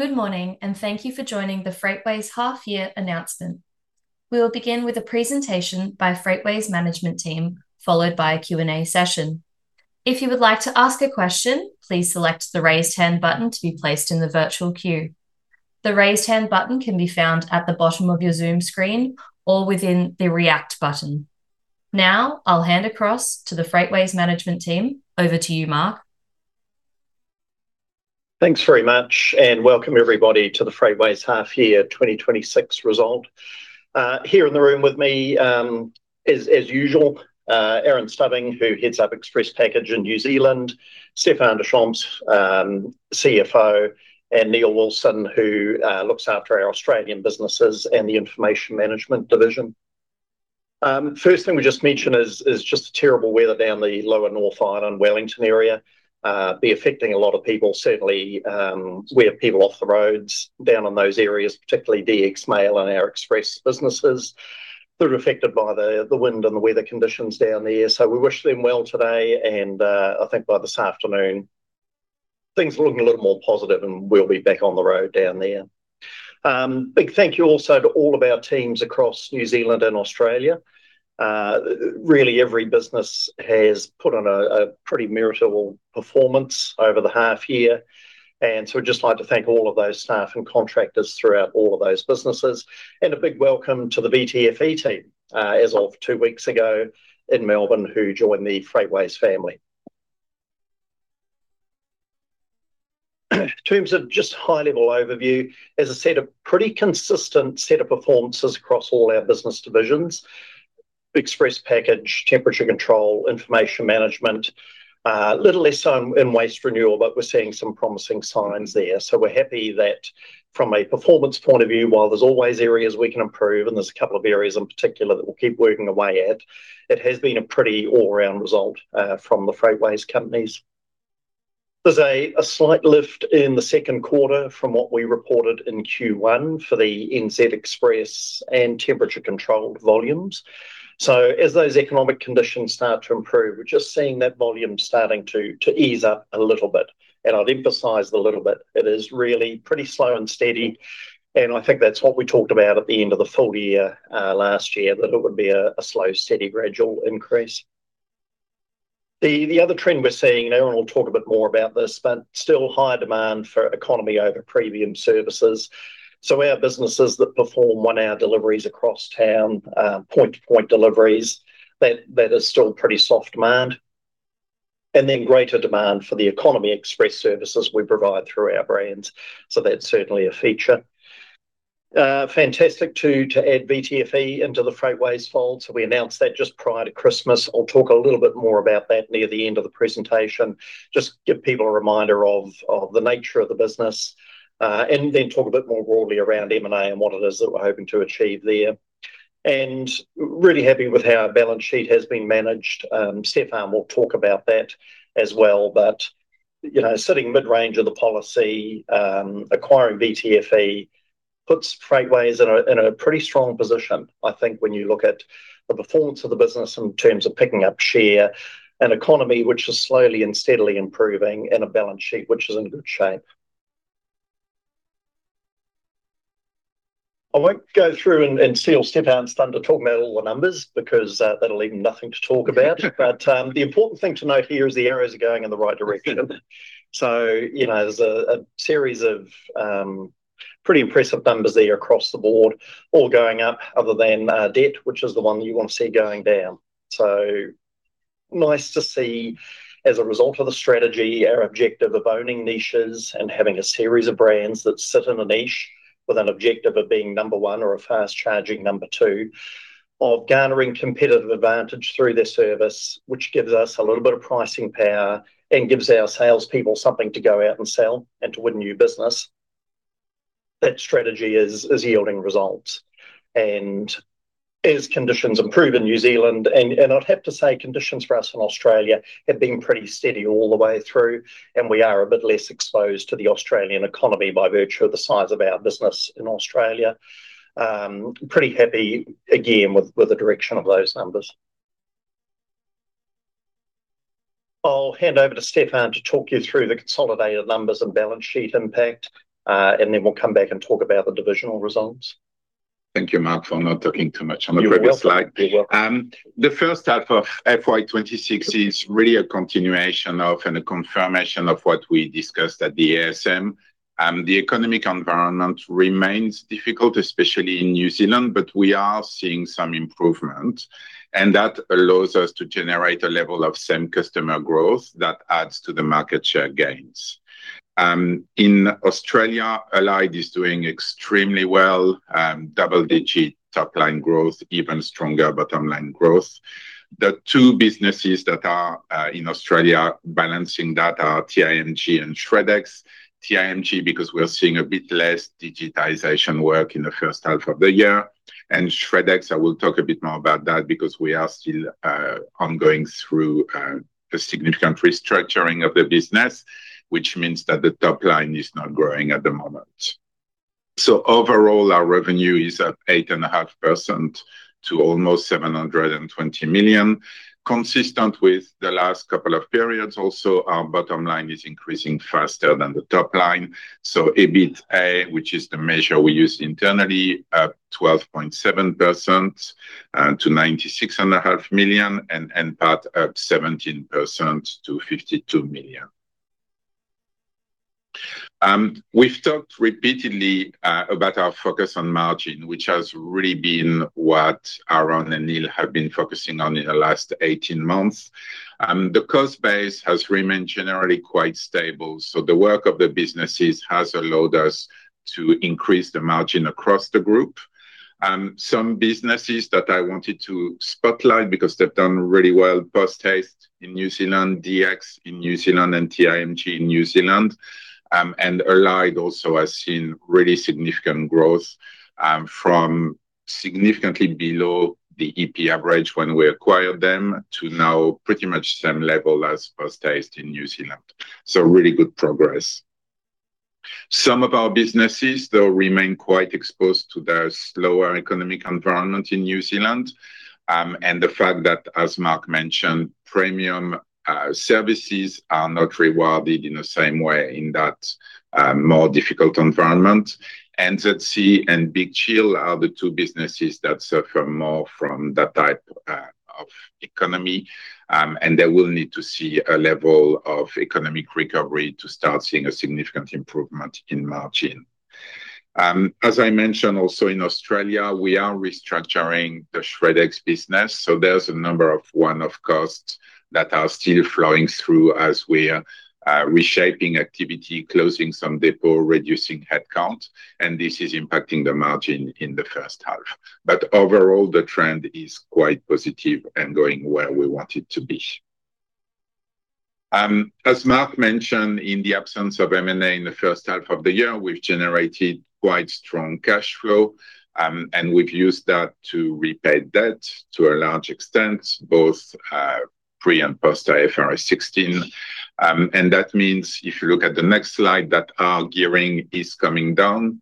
Good morning, and thank you for joining the Freightways half-year announcement. We will begin with a presentation by Freightways management team, followed by a Q&A session. If you would like to ask a question, please select the Raise Hand button to be placed in the virtual queue. The Raise Hand button can be found at the bottom of your Zoom screen or within the React button. Now, I'll hand across to the Freightways management team. Over to you, Mark. Thanks very much, and welcome everybody to the Freightways half-year 2026 result. Here in the room with me, as usual, Aaron Stubbing, who heads up Express Package in New Zealand; Stephan Deschamps, CFO; and Neil Wilson, who looks after our Australian businesses and the Information Management division. First thing we just mention is just the terrible weather down the lower North Island and Wellington area, be affecting a lot of people. Certainly, we have people off the roads down in those areas, particularly DX Mail and our express businesses that are affected by the wind and the weather conditions down there. So we wish them well today, and I think by this afternoon, things are looking a little more positive, and we'll be back on the road down there. Big thank you also to all of our teams across New Zealand and Australia. Really, every business has put on a pretty meritorious performance over the half year, and so we'd just like to thank all of those staff and contractors throughout all of those businesses. A big welcome to the VTFE team, as of two weeks ago in Melbourne, who joined the Freightways family. In terms of just high-level overview, as I said, a pretty consistent set of performances across all our business divisions: Express Package, Temperature Control, Information Management. A little less so in Waste Renewal, but we're seeing some promising signs there. So we're happy that from a performance point of view, while there's always areas we can improve, and there's a couple of areas in particular that we'll keep working away at, it has been a pretty all-round result from the Freightways companies. There's a slight lift in the second quarter from what we reported in Q1 for the NZ Express and temperature-controlled volumes. So as those economic conditions start to improve, we're just seeing that volume starting to ease up a little bit, and I'd emphasize the little bit. It is really pretty slow and steady, and I think that's what we talked about at the end of the full year last year, that it would be a slow, steady, gradual increase. The other trend we're seeing, and Aaron will talk a bit more about this, but still high demand for economy over premium services. So our businesses that perform one-hour deliveries across town, point-to-point deliveries, that is still pretty soft demand, and then greater demand for the economy express services we provide through our brands. So that's certainly a feature. Fantastic too, to add VTFE into the Freightways fold. So we announced that just prior to Christmas. I'll talk a little bit more about that near the end of the presentation, just give people a reminder of the nature of the business, and then talk a bit more broadly around M&A and what it is that we're hoping to achieve there. And really happy with how our balance sheet has been managed. Stephan will talk about that as well, but, you know, sitting mid-range of the policy, acquiring VTFE puts Freightways in a, in a pretty strong position, I think, when you look at the performance of the business in terms of picking up share, an economy which is slowly and steadily improving, and a balance sheet which is in good shape. I won't go through and, and steal Stephan thunder to talk about all the numbers, because, that'll leave him nothing to talk about. But, the important thing to note here is the arrows are going in the right direction. So, you know, there's a, a series of, pretty impressive numbers there across the board, all going up other than, debt, which is the one you want to see going down. So nice to see, as a result of the strategy, our objective of owning niches and having a series of brands that sit in a niche with an objective of being number one or a fast-charging number two, of garnering competitive advantage through their service, which gives us a little bit of pricing power and gives our salespeople something to go out and sell and to win new business. That strategy is yielding results. And as conditions improve in New Zealand. And I'd have to say conditions for us in Australia have been pretty steady all the way through, and we are a bit less exposed to the Australian economy by virtue of the size of our business in Australia. Pretty happy again with the direction of those numbers. I'll hand over to Stephan to talk you through the consolidated numbers and balance sheet impact, and then we'll come back and talk about the divisional results. Thank you, Mark, for not talking too much on the previous slide. You're welcome. The H1 FY 2026 is really a continuation of and a confirmation of what we discussed at the ASM. The economic environment remains difficult, especially in New Zealand, but we are seeing some improvement, and that allows us to generate a level of same customer growth that adds to the market share gains. In Australia, Allied is doing extremely well, double-digit top-line growth, even stronger bottom-line growth. The two businesses that are in Australia balancing that are TIMG and Shred-X. TIMG, because we are seeing a bit less digitization work in the H1 of the year, and Shred-X, I will talk a bit more about that because we are still ongoing through a significant restructuring of the business, which means that the top line is not growing at the moment. So overall, our revenue is at 8.5% to almost 720 million. Consistent with the last couple of periods also, our bottom line is increasing faster than the top line. So EBITA, which is the measure we use internally, up 12.7%, to 96.5 million, and NPAT up 17% to 52 million. We've talked repeatedly about our focus on margin, which has really been what Aaron and Neil have been focusing on in the last 18 months. The cost base has remained generally quite stable, so the work of the businesses has allowed us to increase the margin across the group. Some businesses that I wanted to spotlight because they've done really well, Post Haste in New Zealand, DX in New Zealand, and TIMG in New Zealand. and Allied also has seen really significant growth, from significantly below the EP average when we acquired them, to now pretty much same level as Post Haste in New Zealand. So really good progress. Some of our businesses, though, remain quite exposed to the slower economic environment in New Zealand, and the fact that, as Mark mentioned, premium services are not rewarded in the same way in that more difficult environment. NZC and Big Chill are the two businesses that suffer more from that type of economy, and they will need to see a level of economic recovery to start seeing a significant improvement in margin. As I mentioned, also in Australia, we are restructuring the Shred-X business, so there's a number of one-off costs that are still flowing through as we are reshaping activity, closing some depot, reducing headcount, and this is impacting the margin in the H1. But overall, the trend is quite positive and going where we want it to be. As Mark mentioned, in the absence of M&A in the H1 of the year, we've generated quite strong cash flow, and we've used that to repay debt to a large extent, both pre and post IFRS 16. And that means, if you look at the next slide, that our gearing is coming down.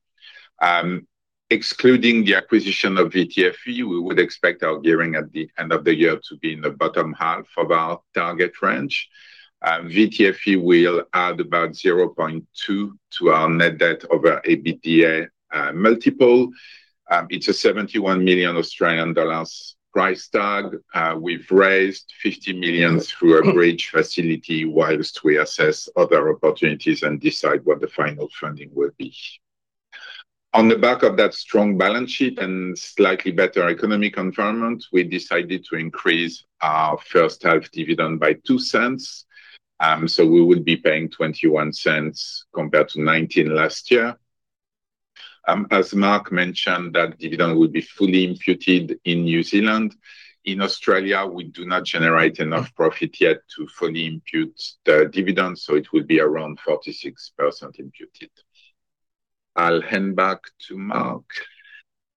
Excluding the acquisition of VTFE, we would expect our gearing at the end of the year to be in the bottom half of our target range. VTFE will add about 0.2 to our net debt over EBITDA multiple. It's a 71 million Australian dollars price tag. We've raised 50 million through a bridge facility while we assess other opportunities and decide what the final funding will be. On the back of that strong balance sheet and slightly better economic environment, we decided to increase our H1 dividend by 0.02. So we will be paying 0.21 compared to 0.19 last year. As Mark mentioned, that dividend will be fully imputed in New Zealand. In Australia, we do not generate enough profit yet to fully impute the dividend, so it will be around 46% imputed. I'll hand back to Mark.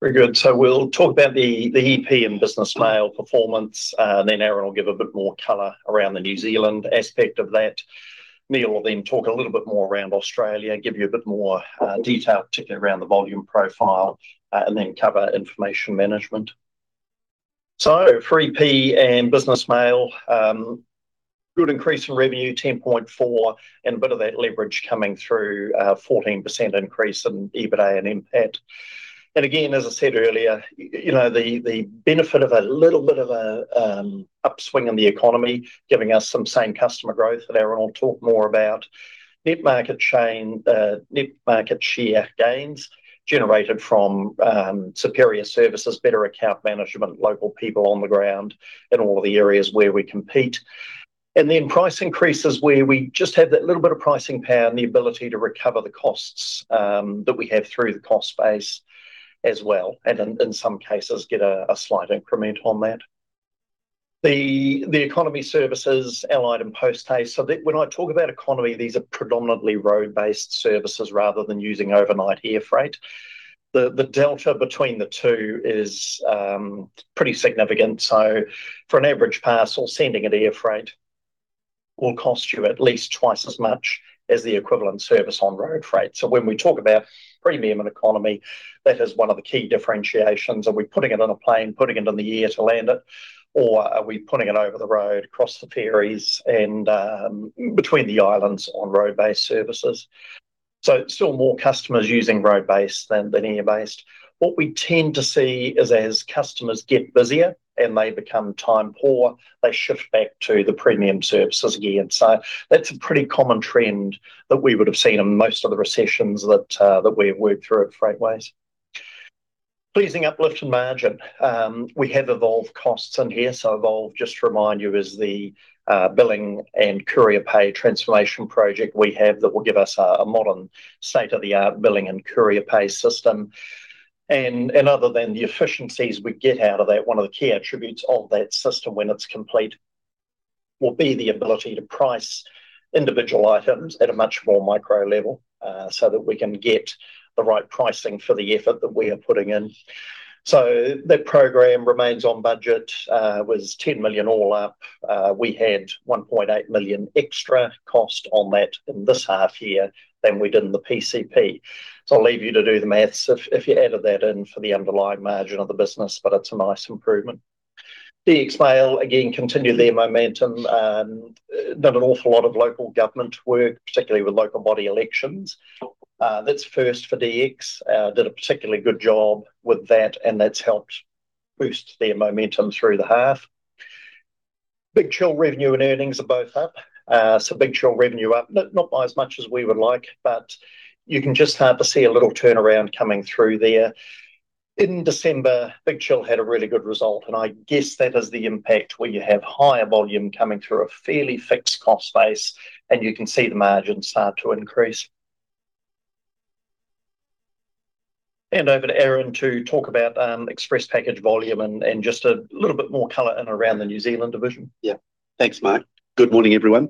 Very good. So we'll talk about the EP and Business Mail performance, and then Aaron will give a bit more color around the New Zealand aspect of that. Neil will then talk a little bit more around Australia, give you a bit more detail, particularly around the volume profile, and then cover information management. So for EP and Business Mail, good increase in revenue, 10.4, and a bit of that leverage coming through, 14% increase in EBITA and NPAT. And again, as I said earlier, you know, the benefit of a little bit of a upswing in the economy, giving us some same customer growth that Aaron will talk more about. Net market share gains generated from superior services, better account management, local people on the ground in all of the areas where we compete. And then price increases, where we just had that little bit of pricing power and the ability to recover the costs that we have through the cost base as well, and in some cases, get a slight increment on that. The economy services, Allied and Post Haste. So when I talk about economy, these are predominantly road-based services rather than using overnight air freight. The delta between the two is pretty significant. So for an average parcel, sending it air freight will cost you at least twice as much as the equivalent service on road freight. So when we talk about premium and economy, that is one of the key differentiations. Are we putting it on a plane, putting it in the air to land it, or are we putting it over the road, across the ferries, and between the islands on road-based services? So still more customers using road-based than, than air-based. What we tend to see is, as customers get busier and they become time poor, they shift back to the premium services again. So that's a pretty common trend that we would have seen in most of the recessions that that we have worked through at Freightways. Pleasing uplift in margin. We have Evolve costs in here. So Evolve, just to remind you, is the billing and courier pay transformation project we have that will give us a modern, state-of-the-art billing and courier pay system. Other than the efficiencies we get out of that, one of the key attributes of that system when it's complete will be the ability to price individual items at a much more micro level, so that we can get the right pricing for the effort that we are putting in. So the program remains on budget, was 10 million all up. We had 1.8 million extra cost on that in this half year than we did in the PCP. So I'll leave you to do the math if you added that in for the underlying margin of the business, but it's a nice improvement. DX Mail, again, continued their momentum, done an awful lot of local government work, particularly with local body elections. That's first for DX. Did a particularly good job with that, and that's helped boost their momentum through the half. Big Chill revenue and earnings are both up. So Big Chill revenue up, not by as much as we would like, but you can just start to see a little turnaround coming through there. In December, Big Chill had a really good result, and I guess that is the impact where you have higher volume coming through a fairly fixed cost base, and you can see the margins start to increase. Hand over to Aaron to talk about express package volume and just a little bit more color in around the New Zealand division. Yeah. Thanks, Mike. Good morning, everyone.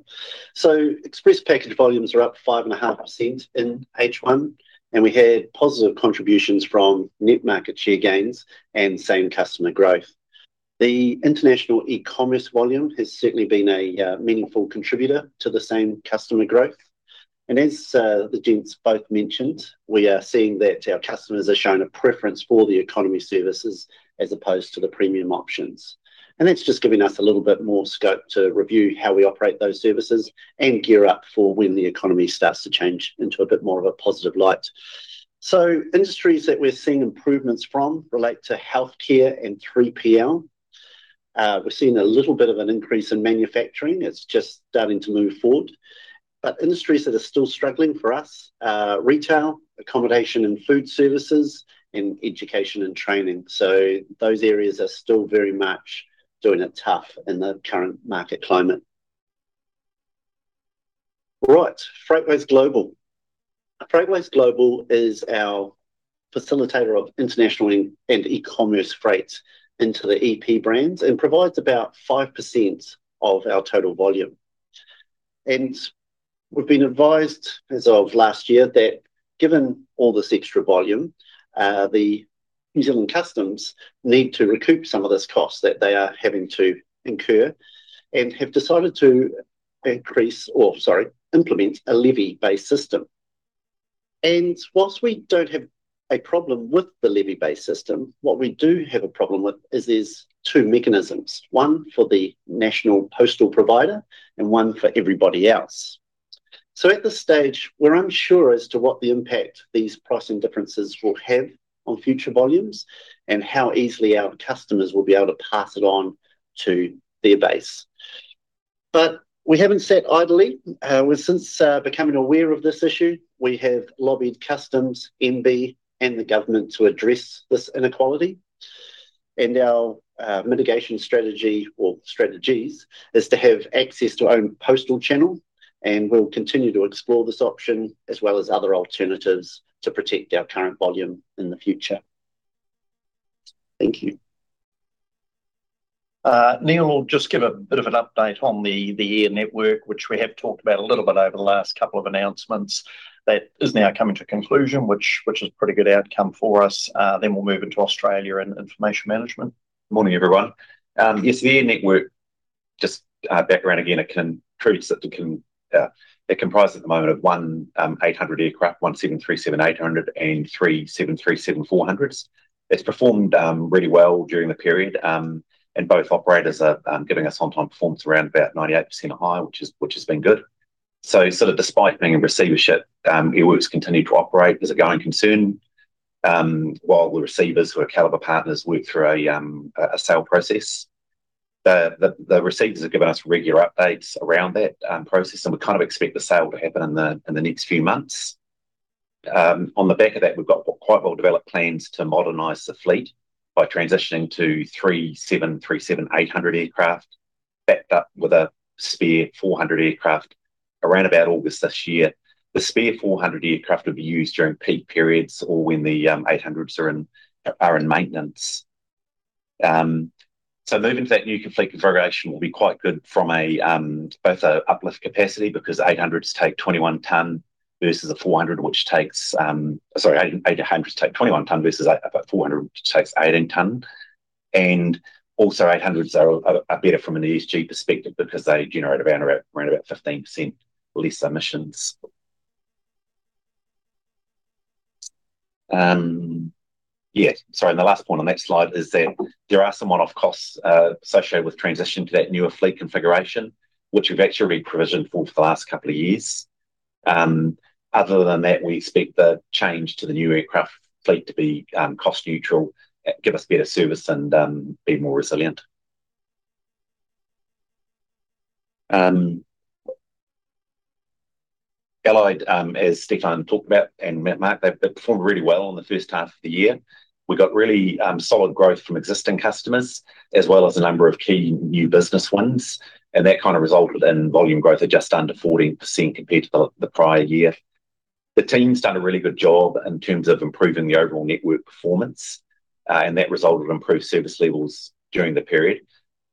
Express package volumes are up 5.5% in H1, and we had positive contributions from net market share gains and same customer growth. The international e-commerce volume has certainly been a meaningful contributor to the same customer growth. And as the gents both mentioned, we are seeing that our customers are showing a preference for the economy services as opposed to the premium options. And that's just giving us a little bit more scope to review how we operate those services and gear up for when the economy starts to change into a bit more of a positive light. Industries that we're seeing improvements from relate to healthcare and 3PL. We're seeing a little bit of an increase in manufacturing. It's just starting to move forward. But industries that are still struggling for us are retail, accommodation and food services, and education and training. So those areas are still very much doing it tough in the current market climate. Right. Freightways Global. Freightways Global is our Facilitator of International and, and e-commerce freight into the EP brands and provides about 5% of our total volume. And we've been advised, as of last year, that given all this extra volume, the New Zealand Customs need to recoup some of this cost that they are having to incur and have decided to increase, or sorry, implement a levy-based system. And while we don't have a problem with the levy-based system, what we do have a problem with is there's two mechanisms: one for the national postal provider and one for everybody else. So at this stage, we're unsure as to what the impact these pricing differences will have on future volumes and how easily our customers will be able to pass it on to their base. But we haven't sat idly. We've since becoming aware of this issue, we have lobbied Customs, MBIE, and the government to address this inequality, and our mitigation strategy or strategies is to have access to own postal channel, and we'll continue to explore this option, as well as other alternatives to protect our current volume in the future. Thank you. Neil will just give a bit of an update on the air network, which we have talked about a little bit over the last couple of announcements. That is now coming to a conclusion, which is a pretty good outcome for us. Then we'll move into Australia and information management. Morning, everyone. Yes, the air network, just background again, it comprises at the moment one 737-800 and three 737-400s. It's performed really well during the period, and both operators are giving us on-time performance around about 98% or higher, which has been good. So sort of despite being in receivership, Airwork continued to operate as a going concern while the receivers, who are Calibre Partners, work through a sale process. The receivers have given us regular updates around that process, and we kind of expect the sale to happen in the next few months. On the back of that, we've got quite well-developed plans to modernize the fleet by transitioning to 737-800 aircraft, backed up with a spare 400 aircraft around about August this year. The spare 400 aircraft will be used during peak periods or when the 800s are in maintenance. So moving to that new fleet configuration will be quite good from both an uplift capacity, because 800s take 21 tons versus a 400, which takes 18 tons. And also, 800s are better from an ESG perspective because they generate around about 15% less emissions. Yeah, sorry, and the last point on that slide is that there are some one-off costs associated with transitioning to that newer fleet configuration, which we've actually provisioned for for the last couple of years. Other than that, we expect the change to the new aircraft fleet to be cost neutral, give us better service, and be more resilient. Allied, as Stephan talked about, and Mark, they've performed really well in the H1 of the year. We got really solid growth from existing customers, as well as a number of key new business wins, and that kind of resulted in volume growth of just under 14% compared to the prior year. The team's done a really good job in terms of improving the overall network performance, and that resulted in improved service levels during the period.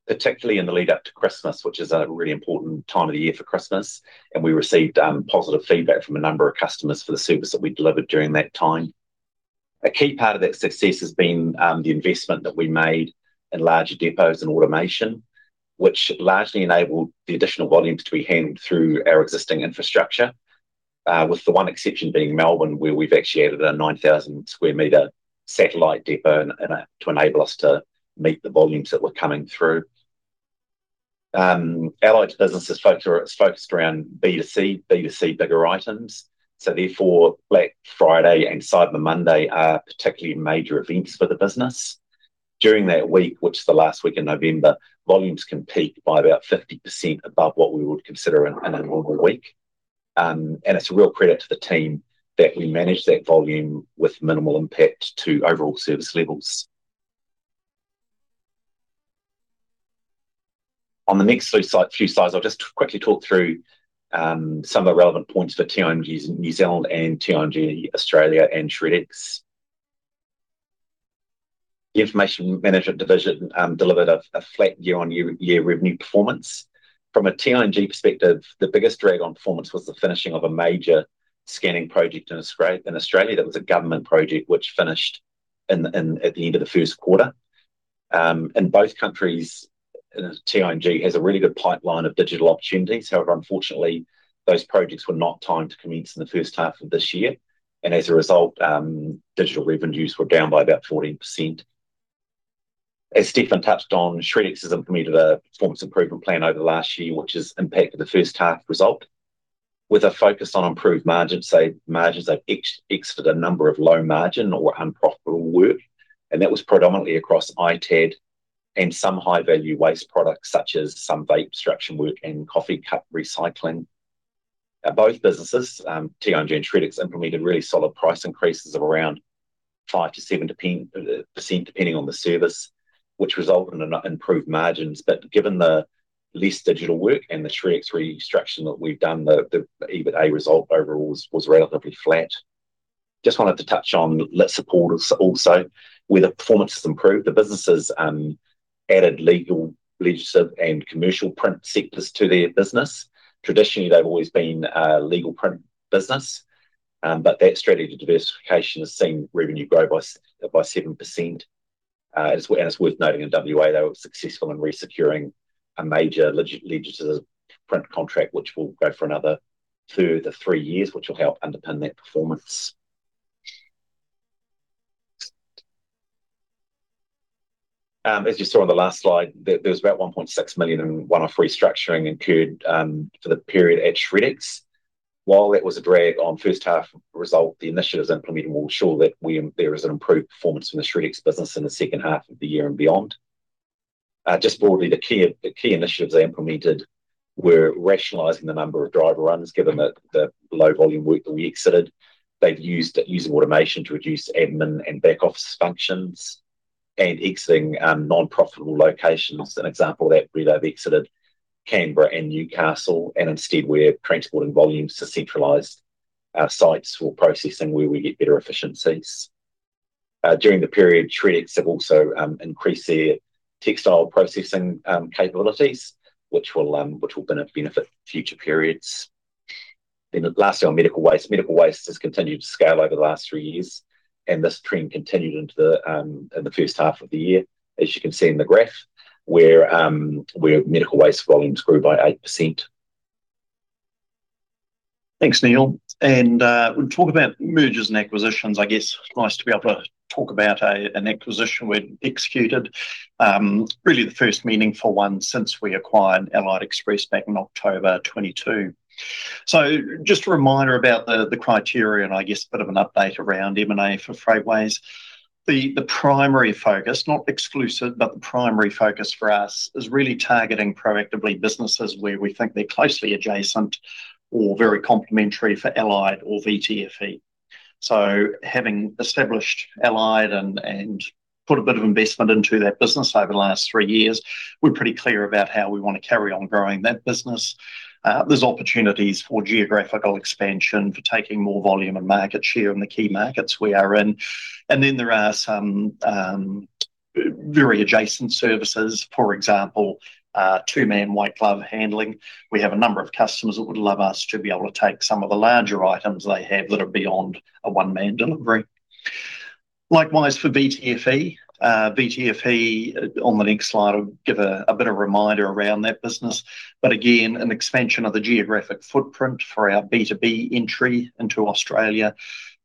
particularly in the lead up to Christmas, which is a really important time of the year for Christmas, and we received positive feedback from a number of customers for the service that we delivered during that time. A key part of that success has been the investment that we made in larger depots and automation, which largely enabled the additional volumes to be handled through our existing infrastructure. With the one exception being Melbourne, where we've actually added a 9,000 sq m satellite depot and to enable us to meet the volumes that were coming through. Allied's business is focused around B2C, B2C bigger items, so therefore, Black Friday and Cyber Monday are particularly major events for the business. During that week, which is the last week in November, volumes can peak by about 50% above what we would consider in a normal week. And it's a real credit to the team that we managed that volume with minimal impact to overall service levels. On the next few slides, I'll just quickly talk through some of the relevant points for TIMG New Zealand and TIMG Australia and Shred-X. Information Management division delivered a flat year-on-year revenue performance. From a TIMG perspective, the biggest drag on performance was the finishing of a major scanning project in Australia. That was a government project which finished at the end of the first quarter. In both countries, TIMG has a really good pipeline of digital opportunities. However, unfortunately, those projects were not timed to commence in the H1 of this year, and as a result, digital revenues were down by about 14%. As Stephen touched on, Shred-X has implemented a performance improvement plan over the last year, which has impacted the H1 result with a focus on improved margins. So margins have exited a number of low-margin or unprofitable work, and that was predominantly across ITAD and some high-value waste products, such as some vape destruction work and coffee cup recycling. At both businesses, TIMG and Shred-X implemented really solid price increases of around 5%-7% depending on the service, which resulted in improved margins. But given the less digital work and the Shred-X restructuring that we've done, the EBITA result overall was relatively flat. Just wanted to touch on LitSupport also, where the performance has improved. The businesses added legal, legislative, and commercial print sectors to their business. Traditionally, they've always been a legal print business, but that strategy to diversification has seen revenue grow by 7%. It's worth noting in WA, they were successful in resecuring a major legislative print contract, which will go for another 2-3 years, which will help underpin that performance. As you saw on the last slide, there was about 1.6 million in one-off restructuring incurred for the period at Shred-X. While that was a drag on H1 result, the initiatives implemented will ensure that there is an improved performance in the Shred-X business in the second half of the year and beyond. Just broadly, the key initiatives they implemented were rationalizing the number of driver runs, given that the low-volume work that we exited. They've used automation to reduce admin and back office functions and exiting non-profitable locations. An example of that, where they've exited Canberra and Newcastle, and instead we're transporting volumes to centralized sites for processing, where we get better efficiencies. During the period, Shred-X have also increased their textile processing capabilities, which will benefit future periods. Then lastly, on medical waste. Medical waste has continued to scale over the last three years, and this trend continued into the H1 of the year, as you can see in the graph, where medical waste volumes grew by 8%. Thanks, Neil. And we talk about mergers and acquisitions. I guess nice to be able to talk about an acquisition we'd executed. Really the first meaningful one since we acquired Allied Express back in October 2022. So just a reminder about the criteria and I guess a bit of an update around M&A for Freightways. The primary focus, not exclusive, but the primary focus for us is really targeting proactively businesses where we think they're closely adjacent or very complementary for Allied or VTFE. So having established Allied and put a bit of investment into that business over the last three years, we're pretty clear about how we want to carry on growing that business. There's opportunities for geographical expansion, for taking more volume and market share in the key markets we are in, and then there are some very adjacent services, for example, two-man white glove handling. We have a number of customers that would love us to be able to take some of the larger items they have that are beyond a one-man delivery. Likewise, for VTFE. VTFE, on the next slide, I'll give a bit of a reminder around that business. But again, an expansion of the geographic footprint for our B2B entry into Australia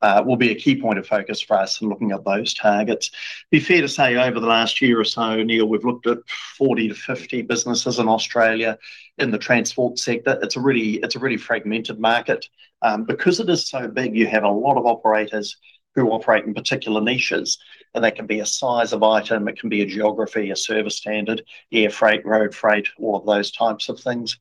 will be a key point of focus for us in looking at those targets. Be fair to say, over the last year or so, Neil, we've looked at 40-50 businesses in Australia in the transport sector. It's a really fragmented market. Because it is so big, you have a lot of operators who operate in particular niches, and that can be a size of item, it can be a geography, a service standard, air freight, road freight, all of those types of things.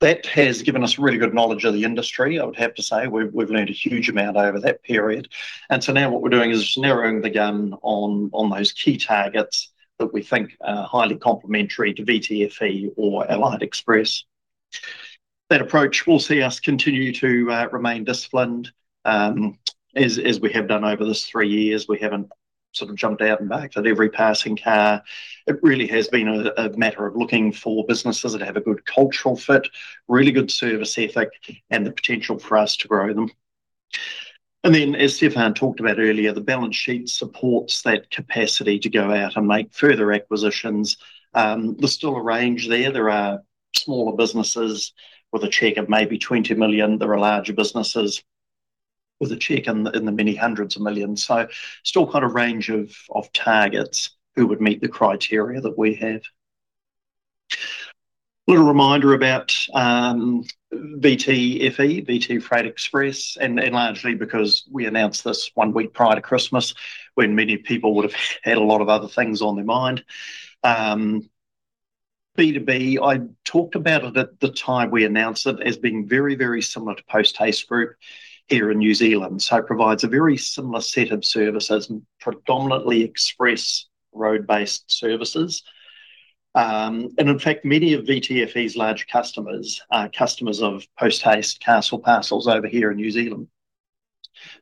That has given us really good knowledge of the industry, I would have to say. We've, we've learned a huge amount over that period. And so now what we're doing is narrowing the gun on, on those key targets that we think are highly complementary to VTFE or Allied Express. That approach will see us continue to remain disciplined, as, as we have done over this three years. We haven't sort of jumped out and backed at every passing car. It really has been a matter of looking for businesses that have a good cultural fit, really good service ethic, and the potential for us to grow them. Then, as Stephan talked about earlier, the balance sheet supports that capacity to go out and make further acquisitions. There's still a range there. There are smaller businesses with a check of maybe 20 million. There are larger businesses with a check in the many hundreds of millions. So still kind of a range of targets who would meet the criteria that we have. Little reminder about VTFE, VT Freight Express, and largely because we announced this one week prior to Christmas, when many people would have had a lot of other things on their mind. B2B, I talked about it at the time we announced it, as being very, very similar to Post Haste Group here in New Zealand. So it provides a very similar set of services, predominantly express road-based services. And in fact, many of VTFE's large customers are customers of Post Haste/Castle Parcels over here in New Zealand.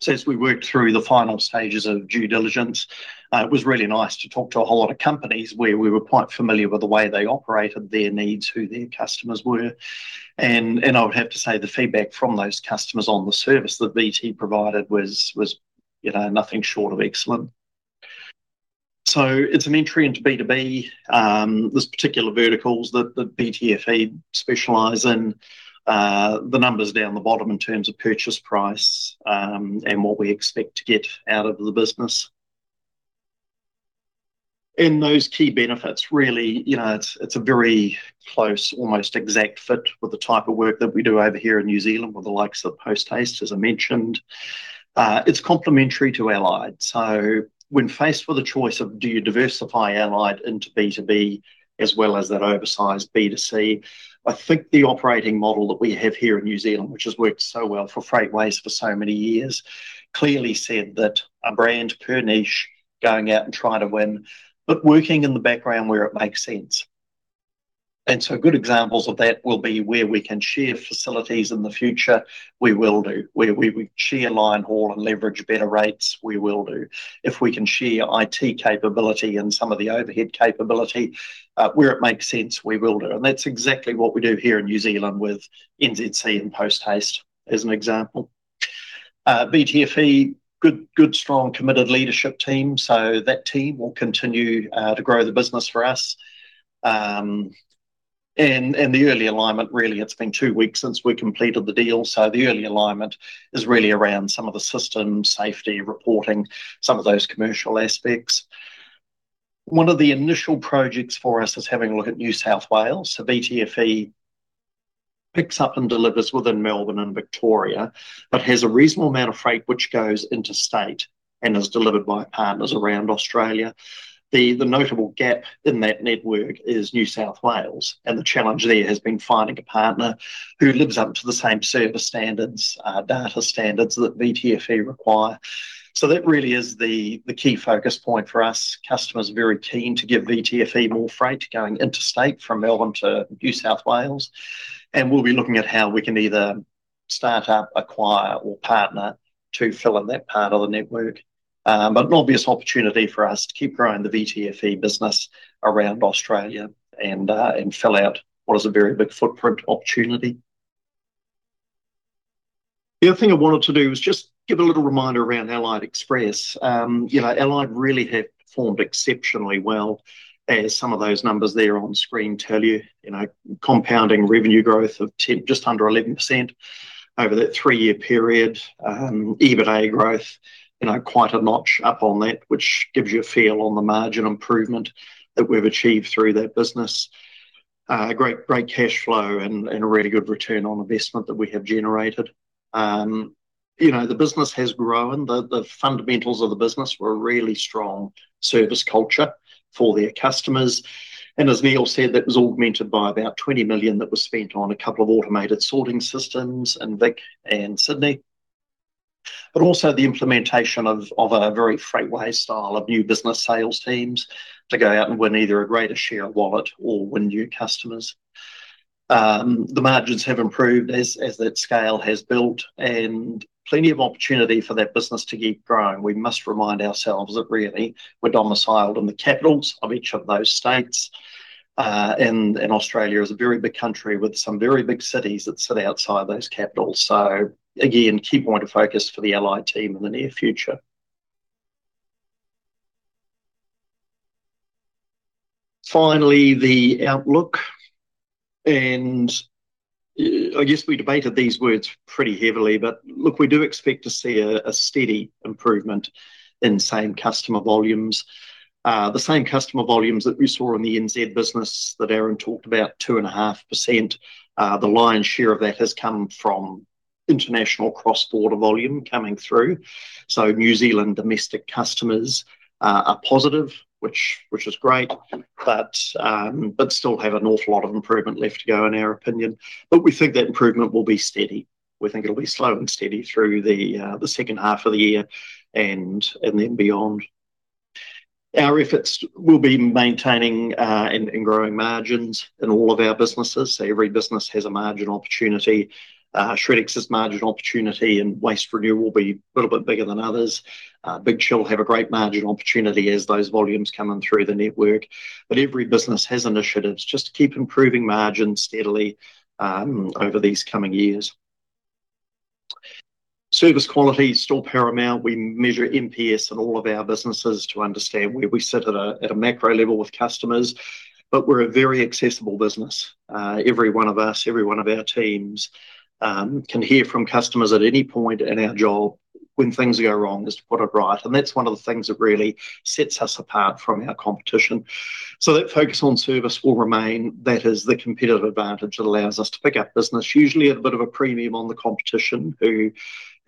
So as we worked through the final stages of due diligence, it was really nice to talk to a whole lot of companies where we were quite familiar with the way they operated, their needs, who their customers were. And I would have to say, the feedback from those customers on the service that VT provided was, you know, nothing short of excellent. So it's an entry into B2B. There's particular verticals that VTFE specialize in. The numbers down the bottom in terms of purchase price, and what we expect to get out of the business. And those key benefits, really, you know, it's, it's a very close, almost exact fit with the type of work that we do over here in New Zealand with the likes of Post Haste, as I mentioned. It's complementary to Allied. So when faced with a choice of do you diversify Allied into B2B as well as that oversized B2C, I think the operating model that we have here in New Zealand, which has worked so well for Freightways for so many years, clearly said that a brand per niche, going out and trying to win, but working in the background where it makes sense. And so good examples of that will be where we can share facilities in the future, we will do. Where we would share Line Haul and leverage better rates, we will do. If we can share IT capability and some of the overhead capability, where it makes sense, we will do. And that's exactly what we do here in New Zealand with NZC and Post Haste, as an example. VTFE, good, good, strong, committed leadership team, so that team will continue to grow the business for us. And the early alignment, really, it's been 2 weeks since we completed the deal, so the early alignment is really around some of the systems, safety, reporting, some of those commercial aspects. One of the initial projects for us is having a look at New South Wales. So VTFE picks up and delivers within Melbourne and Victoria, but has a reasonable amount of freight which goes interstate and is delivered by partners around Australia. The notable gap in that network is New South Wales, and the challenge there has been finding a partner who lives up to the same service standards, data standards that VTFE require. So that really is the key focus point for us. Customers are very keen to give VTFE more freight going interstate from Melbourne to New South Wales, and we'll be looking at how we can either start up, acquire, or partner to fill in that part of the network. But an obvious opportunity for us to keep growing the VTFE business around Australia and fill out what is a very big footprint opportunity. The other thing I wanted to do was just give a little reminder around Allied Express. You know, Allied really have performed exceptionally well, as some of those numbers there on screen tell you. You know, compounding revenue growth of 10, just under 11% over that three-year period. EBITDA growth, you know, quite a notch up on that, which gives you a feel on the margin improvement that we've achieved through that business. Great, great cash flow and a really good return on investment that we have generated. You know, the business has grown. The fundamentals of the business were a really strong service culture for their customers. And as Neil said, that was augmented by about 20 million that was spent on a couple of automated sorting systems in Vic and Sydney. But also the implementation of a very Freightways style of new business sales teams to go out and win either a greater share of wallet or win new customers. The margins have improved as that scale has built, and plenty of opportunity for that business to keep growing. We must remind ourselves that really we're domiciled in the capitals of each of those states, and Australia is a very big country with some very big cities that sit outside those capitals. So again, key point of focus for the Allied team in the near future. Finally, the outlook, and I guess we debated these words pretty heavily, but look, we do expect to see a steady improvement in same customer volumes. The same customer volumes that we saw in the NZ business that Aaron talked about, 2.5%. The lion's share of that has come from international cross-border volume coming through. So New Zealand domestic customers are positive, which, which is great, but, but still have an awful lot of improvement left to go, in our opinion. But we think that improvement will be steady. We think it'll be slow and steady through the, the second half of the year and, and then beyond. Our efforts will be maintaining, and, and growing margins in all of our businesses. So every business has a margin opportunity. Shred-X's margin opportunity and waste renewal will be a little bit bigger than others. Big Chill have a great margin opportunity as those volumes come in through the network. But every business has initiatives just to keep improving margins steadily, over these coming years. Service quality is still paramount. We measure NPS in all of our businesses to understand where we sit at a macro level with customers, but we're a very accessible business. Every one of us, every one of our teams, can hear from customers at any point in our job when things go wrong, is to put it right, and that's one of the things that really sets us apart from our competition. So that focus on service will remain. That is the competitive advantage that allows us to pick up business, usually at a bit of a premium on the competition, who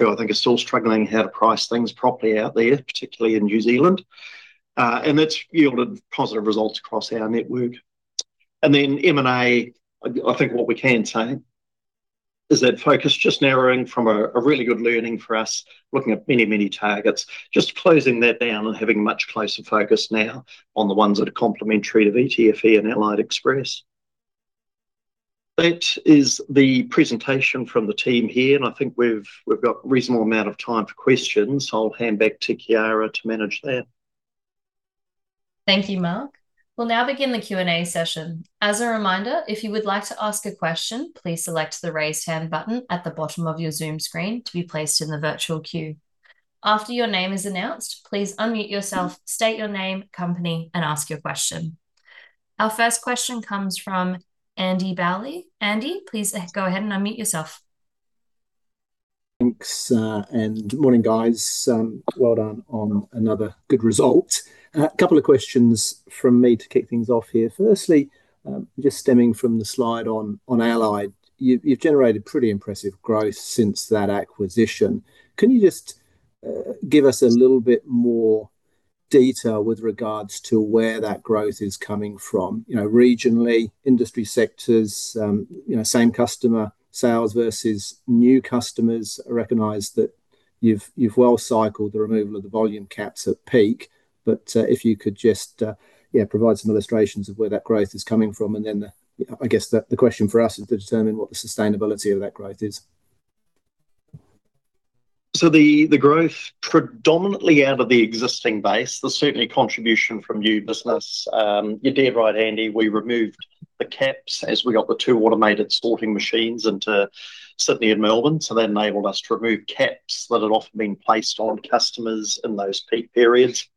I think are still struggling how to price things properly out there, particularly in New Zealand. And that's yielded positive results across our network. And then M&A. I think what we can say is that focus just narrowing from a really good learning for us, looking at many, many targets. Just closing that down and having much closer focus now on the ones that are complementary to VTFE and Allied Express. That is the presentation from the team here, and I think we've got a reasonable amount of time for questions. I'll hand back to Kiara to manage that. Thank you, Mark. We'll now begin the Q&A session. As a reminder, if you would like to ask a question, please select the Raise Hand button at the bottom of your Zoom screen to be placed in the virtual queue. After your name is announced, please unmute yourself, state your name, company, and ask your question. Our first question comes from Andy Bowley. Andy, please, go ahead and unmute yourself. Thanks, and good morning, guys. Well done on another good result. A couple of questions from me to kick things off here. Firstly, just stemming from the slide on, on Allied, you've, you've generated pretty impressive growth since that acquisition. Can you just, give us a little bit more detail with regards to where that growth is coming from, you know, regionally, industry sectors, you know, same customer sales versus new customers? I recognize that you've, you've well cycled the removal of the volume caps at peak, but, if you could just, yeah, provide some illustrations of where that growth is coming from, and then, I guess the, the question for us is to determine what the sustainability of that growth is. So the growth predominantly out of the existing base, there's certainly contribution from new business. You're dead right, Andy, we removed the caps as we got the 2 automated sorting machines into Sydney and Melbourne, so that enabled us to remove caps that had often been placed on customers in those peak periods.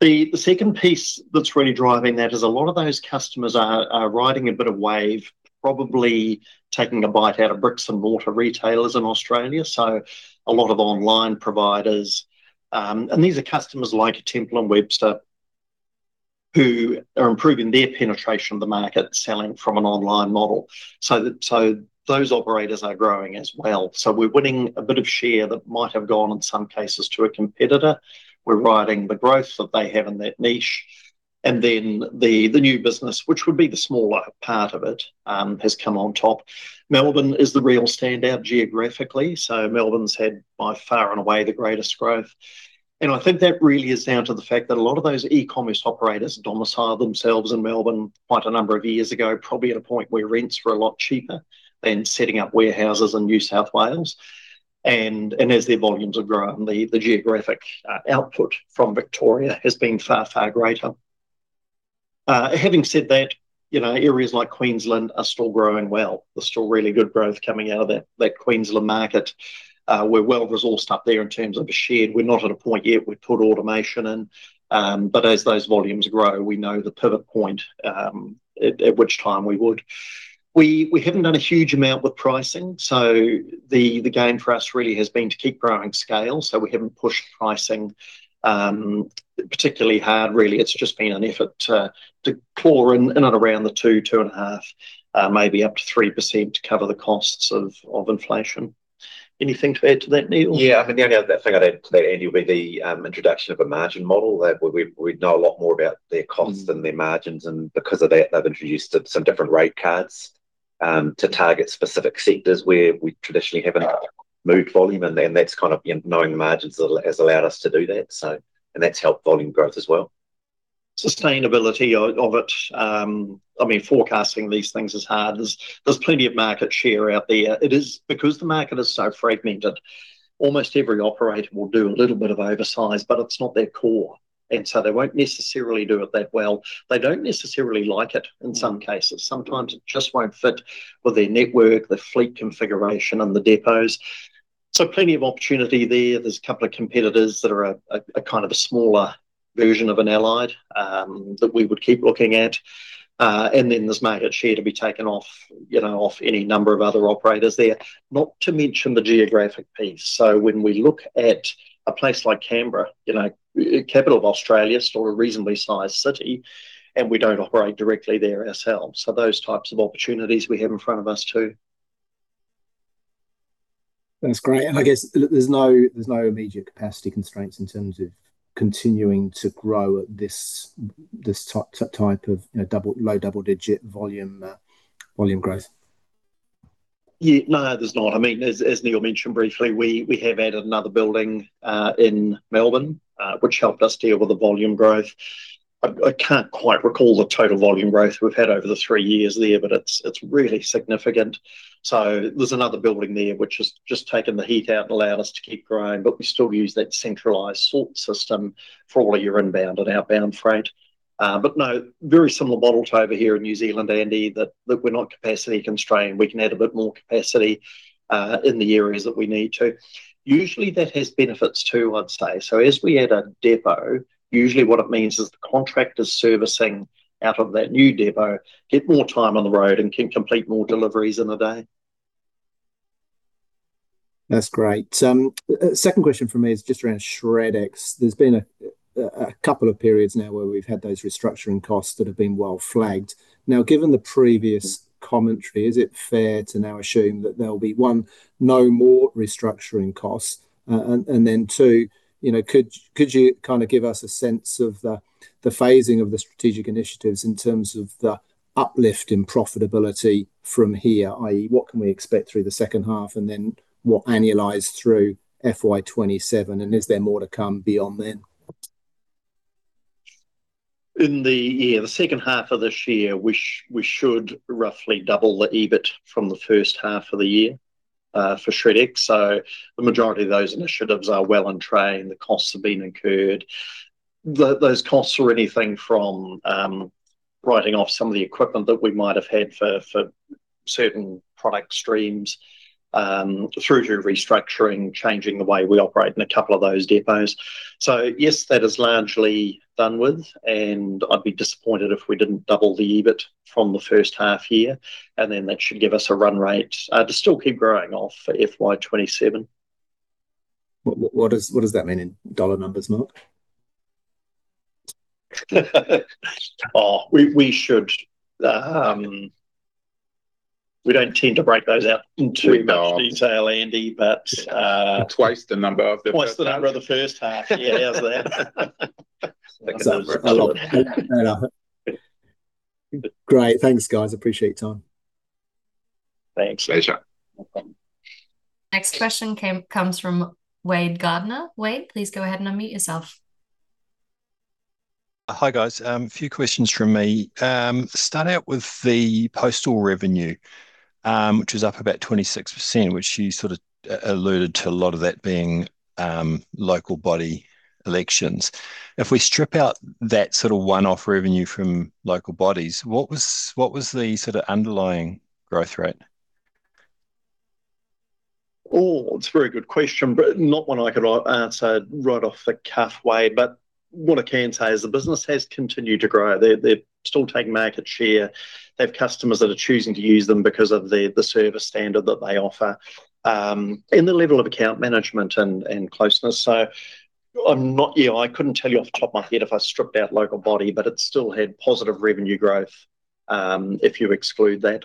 The second piece that's really driving that is a lot of those customers are riding a bit of wave, probably taking a bite out of bricks-and-mortar retailers in Australia, so a lot of online providers. And these are customers like Temple & Webster, who are improving their penetration of the market, selling from an online model. So those operators are growing as well. So we're winning a bit of share that might have gone, in some cases, to a competitor. We're riding the growth that they have in that niche, and then the new business, which would be the smaller part of it, has come on top. Melbourne is the real standout geographically, so Melbourne's had by far and away the greatest growth. And I think that really is down to the fact that a lot of those e-commerce operators domiciled themselves in Melbourne quite a number of years ago, probably at a point where rents were a lot cheaper than setting up warehouses in New South Wales. And as their volumes have grown, the geographic output from Victoria has been far, far greater. Having said that, you know, areas like Queensland are still growing well. There's still really good growth coming out of that Queensland market. We're well resourced up there in terms of a shed. We're not at a point yet we've put automation in, but as those volumes grow, we know the pivot point, at which time we would. We haven't done a huge amount with pricing, so the gain for us really has been to keep growing scale, so we haven't pushed pricing, particularly hard, really. It's just been an effort to claw in and around the 2, 2.5, maybe up to 3% to cover the costs of inflation. Anything to add to that, Neil? Yeah, I think the only other thing I'd add to that, Andy, would be the introduction of a margin model, that we, we'd know a lot more about their costs- Mm And their margins, and because of that, they've introduced some different rate cards to target specific sectors where we traditionally haven't moved volume. And then that's kind of, you know, knowing the margins has allowed us to do that, so... And that's helped volume growth as well. Sustainability of it, I mean, forecasting these things is hard. There's plenty of market share out there. It is because the market is so fragmented, almost every operator will do a little bit of oversize, but it's not their core, and so they won't necessarily do it that well. They don't necessarily like it in some cases. Sometimes it just won't fit with their network, their fleet configuration, and the depots. So plenty of opportunity there. There's a couple of competitors that are a kind of a smaller version of an Allied that we would keep looking at. And then there's market share to be taken off, you know, off any number of other operators there, not to mention the geographic piece. When we look at a place like Canberra, you know, capital of Australia, still a reasonably sized city, and we don't operate directly there ourselves, so those types of opportunities we have in front of us, too. That's great. And I guess there's no, there's no immediate capacity constraints in terms of continuing to grow at this type of, you know, low double-digit volume growth? Yeah, no, there's not. I mean, as Neil mentioned briefly, we have added another building in Melbourne, which helped us deal with the volume growth. I can't quite recall the total volume growth we've had over the three years there, but it's really significant. So there's another building there which has just taken the heat out and allowed us to keep growing, but we still use that centralized sort system for all your inbound and outbound freight. But no, very similar model to over here in New Zealand, Andy, that we're not capacity constrained. We can add a bit more capacity in the areas that we need to. Usually, that has benefits too, I'd say. As we add a depot, usually what it means is the contractors servicing out of that new depot get more time on the road and can complete more deliveries in a day. That's great. Second question from me is just around Shred-X. There's been a couple of periods now where we've had those restructuring costs that have been well flagged. Now, given the previous commentary, is it fair to now assume that there'll be, one, no more restructuring costs? And then two, you know, could you kind of give us a sense of the phasing of the strategic initiatives in terms of the uplift in profitability from here, i.e., what can we expect through the second half, and then what annualized through FY 2027, and is there more to come beyond then? In the year, the second half of this year, we should roughly double the EBIT from the H1 of the year for Shred-X. So the majority of those initiatives are well on train, the costs have been incurred. Those costs are anything from writing off some of the equipment that we might have had for certain product streams through to restructuring, changing the way we operate in a couple of those depots. So yes, that is largely done with, and I'd be disappointed if we didn't double the EBIT from the H1 year, and then that should give us a run rate to still keep growing off for FY 2027. What does that mean in dollar numbers, Mark? Oh, we should. We don't tend to break those out in too much- We don't Detail, Andy, but Twice the number of the H1. Twice the number of the H1. Yeah, how's that? That's a lot. Great. Thanks, guys. Appreciate your time. Thanks. Pleasure. Next question came, comes from Wade Gardiner. Wade, please go ahead and unmute yourself. Hi, guys. A few questions from me. Start out with the postal revenue, which is up about 26%, which you sort of alluded to a lot of that being local body elections. If we strip out that sort of one-off revenue from local bodies, what was the sort of underlying growth rate? Oh, it's a very good question, but not one I could answer right off the cuff, Wade. But what I can say is the business has continued to grow. They're still taking market share. They have customers that are choosing to use them because of the service standard that they offer, and the level of account management and closeness. So I'm not. Yeah, I couldn't tell you off the top of my head if I stripped out local body, but it still had positive revenue growth, if you exclude that.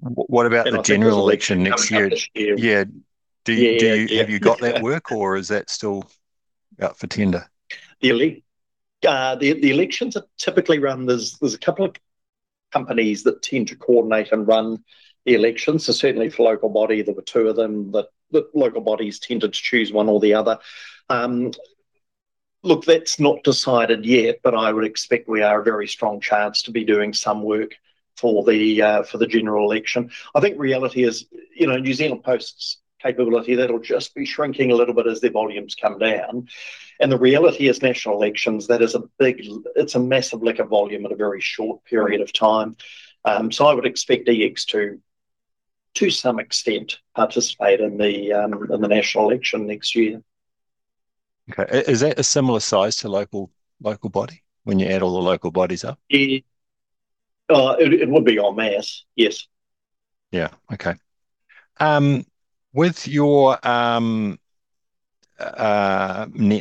What about the general election next year? Coming up next year. Yeah. Yeah. Have you got that work or is that still out for tender? The elections are typically run. There's a couple of companies that tend to coordinate and run the elections. So certainly for local body, there were two of them, but the local bodies tended to choose one or the other. Look, that's not decided yet, but I would expect we are a very strong chance to be doing some work for the general election. I think reality is, you know, New Zealand Post's capability, that'll just be shrinking a little bit as their volumes come down. And the reality is national elections, that is a big lift, it's a massive lift of volume at a very short period of time. So I would expect EX to some extent participate in the national election next year. Okay. Is that a similar size to local body, when you add all the local bodies up? Yeah. It would be en masse, yes. Yeah. Okay. With your net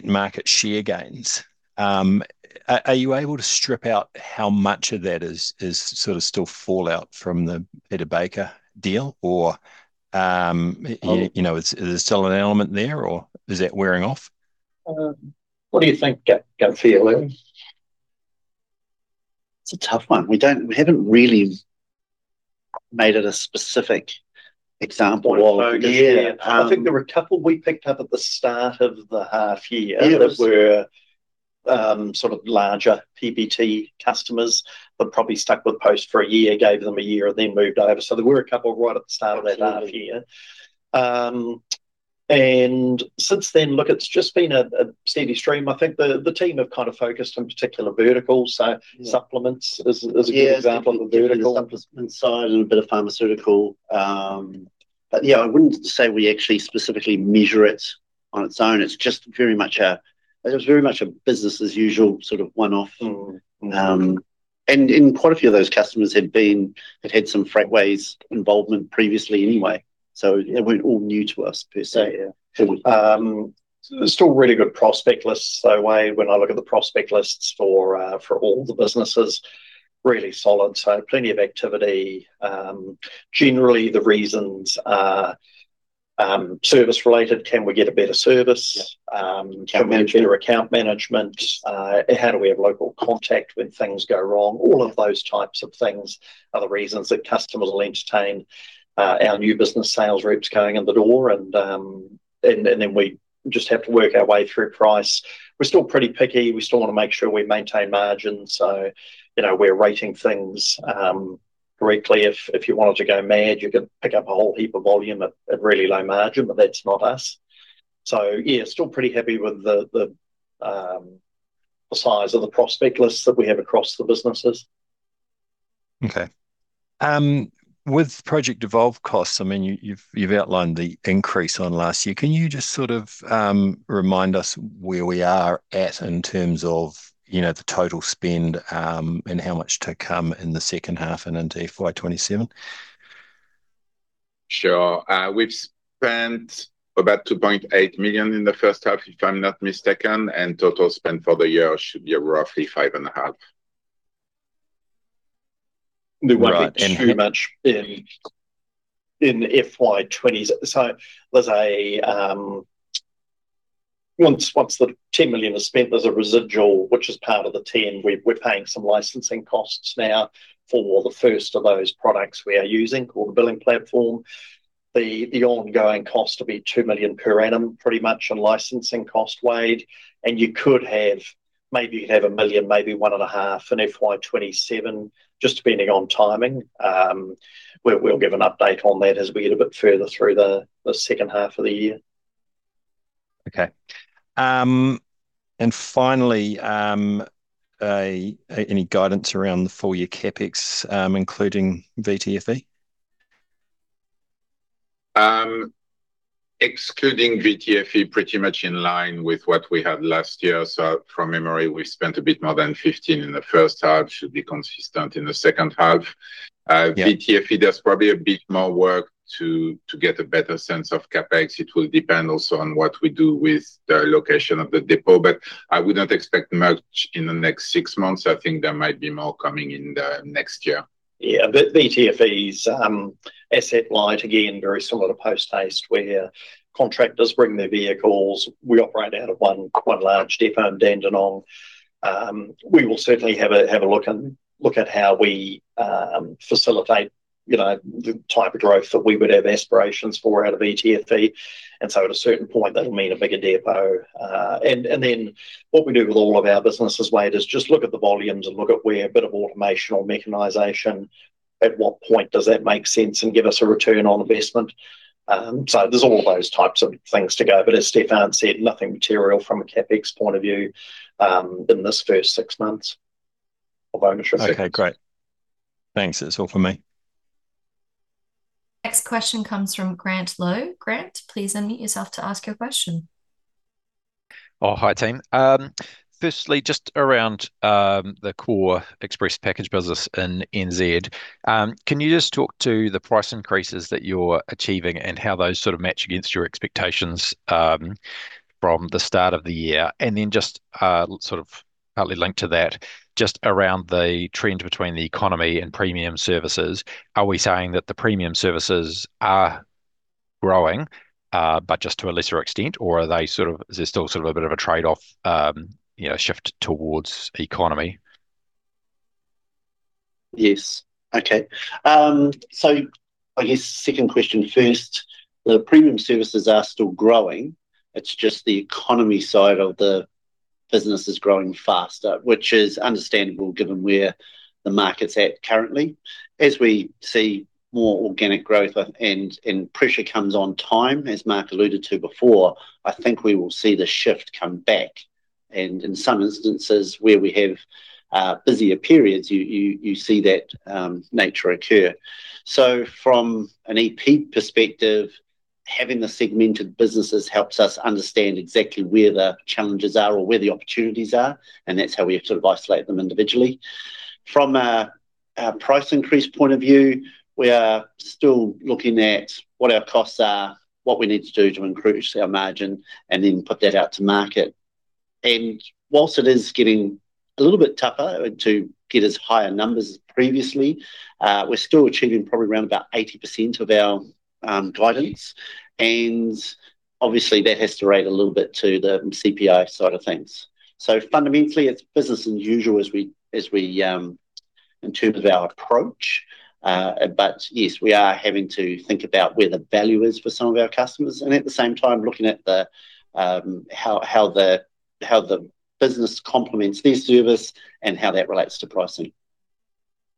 market share gains, are you able to strip out how much of that is sort of still fallout from the PBT deal or- Well- You know, is, is there still an element there or is that wearing off? What do you think, Gardiner? It's a tough one. We don't- we haven't really made it a specific example. Yeah. Um- I think there were a couple we picked up at the start of the half year- Yeah TShat were, sort of larger PBT customers, but probably stuck with Post for a year, gave them a year, and then moved over. So there were a couple right at the start of that half year. Absolutely. And since then, look, it's just been a steady stream. I think the team have kind of focused on particular verticals. So- Yeah Supplements is a good example of a vertical. Yeah, supplement side and a bit of pharmaceutical. But yeah, I wouldn't say we actually specifically measure it on its own. It's just very much a... It was very much a business as usual, sort of one-off. Mm, mm. and quite a few of those customers had been, had had some Freightways involvement previously anyway, so they weren't all new to us per se. Yeah. Still really good prospect lists, though, Wade. When I look at the prospect lists for all the businesses, really solid, so plenty of activity. Generally, the reasons are service-related, can we get a better service? Yeah. Can we get better account management? How do we have local contact when things go wrong? All of those types of things are the reasons that customers will entertain our new business sales reps going in the door, and then we just have to work our way through price. We're still pretty picky. We still wanna make sure we maintain margins, so, you know, we're rating things correctly. If you wanted to go mad, you could pick up a whole heap of volume at really low margin, but that's not us. So yeah, still pretty happy with the size of the prospect list that we have across the businesses. Okay. With Project Evolve costs, I mean, you, you've outlined the increase on last year. Can you just sort of remind us where we are at in terms of, you know, the total spend, and how much to come in the second half and into FY 2027? Sure. We've spent about 2.8 million in the H1, if I'm not mistaken, and total spend for the year should be roughly 5.5 million. There won't be- Right, and- Too much in FY 2020. So there's a... Once the 10 million is spent, there's a residual, which is part of the 10. We're paying some licensing costs now for the first of those products we are using, called the billing platform. The ongoing cost will be 2 million per annum, pretty much in licensing cost, Wade, and you could have maybe 1 million, maybe 1.5 million in FY 2027, just depending on timing. We'll give an update on that as we get a bit further through the second half of the year. Okay. And finally, any guidance around the full year CapEx, including VTFE? Excluding VTFE, pretty much in line with what we had last year. So from memory, we spent a bit more than 15 in the H1, should be consistent in the second half. Yeah. VTFE, there's probably a bit more work to get a better sense of CapEx. It will depend also on what we do with the location of the depot, but I would not expect much in the next six months. I think there might be more coming in the next year. Yeah, VTFE's asset light, again, very similar to Post Haste, where contractors bring their vehicles. We operate out of one large depot in Dandenong. We will certainly have a look and look at how we facilitate, you know, the type of growth that we would have aspirations for out of VTFE. And so at a certain point, that'll mean a bigger depot. And then what we do with all of our businesses, Wade, is just look at the volumes and look at where a bit of automation or mechanization, at what point does that make sense and give us a return on investment? So there's all those types of things to go, but as Stephan said, nothing material from a CapEx point of view, in this first six months of ownership. Okay, great. Thanks. That's all for me. Next question comes from Grant Lowe. Grant, please unmute yourself to ask your question. Oh, hi, team. Firstly, just around the core express package business in NZ, can you just talk to the price increases that you're achieving and how those sort of match against your expectations from the start of the year? And then just sort of partly linked to that, just around the trend between the economy and premium services, are we saying that the premium services are growing but just to a lesser extent, or are they sort of—there's still sort of a bit of a trade-off, you know, shift towards economy? Yes, okay. So I guess second question first. The premium services are still growing, it's just the economy side of the business is growing faster, which is understandable given where the market's at currently. As we see more organic growth and pressure comes on time, as Mark alluded to before, I think we will see the shift come back, and in some instances, where we have busier periods, you see that nature occur. So from an EP perspective, having the segmented businesses helps us understand exactly where the challenges are or where the opportunities are, and that's how we sort of isolate them individually. From a price increase point of view, we are still looking at what our costs are, what we need to do to increase our margin, and then put that out to market. While it is getting a little bit tougher to get as high a number as previously, we're still achieving probably around about 80% of our guidance, and obviously, that has to relate a little bit to the CPI side of things. Fundamentally, it's business as usual as we in terms of our approach. But yes, we are having to think about where the value is for some of our customers, and at the same time, looking at how the business complements their service and how that relates to pricing.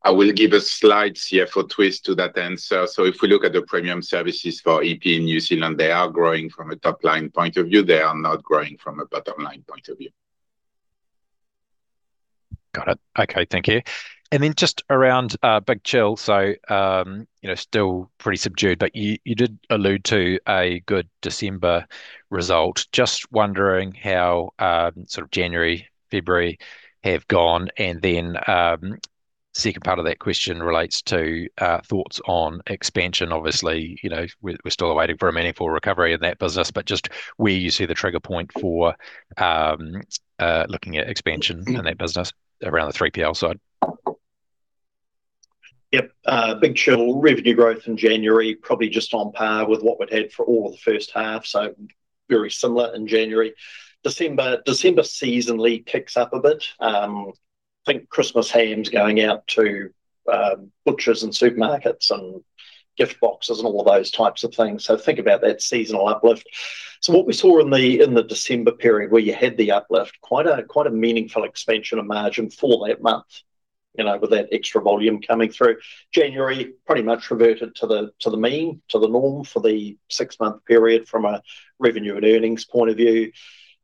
I will give a slight CFO twist to that answer. So if we look at the premium services for EP in New Zealand, they are growing from a top-line point of view. They are not growing from a bottom-line point of view. Got it. Okay, thank you. And then just around Big Chill. So, you know, still pretty subdued, but you, you did allude to a good December result. Just wondering how sort of January, February have gone, and then second part of that question relates to thoughts on expansion. Obviously, you know, we're, we're still waiting for a meaningful recovery in that business, but just where you see the trigger point for looking at expansion in that business around the 3PL side? Yep, Big Chill revenue growth in January, probably just on par with what we'd had for all of the H1, so very similar in January. December, December seasonally kicks up a bit. Think Christmas hams going out to butchers and supermarkets, and gift boxes, and all of those types of things, so think about that seasonal uplift. So what we saw in the, in the December period, where you had the uplift, quite a, quite a meaningful expansion of margin for that month, you know, with that extra volume coming through. January, pretty much reverted to the, to the mean, to the norm for the six-month period from a revenue and earnings point of view.